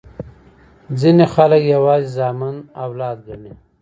ځیني خلګ یوازي زامن اولاد ګڼي.